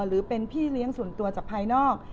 หรือเป็นพี่เลี้ยงส่วนตัวจากภายนอก